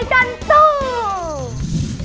แอนจี้สู้สู้แอนจี้สู้ตาย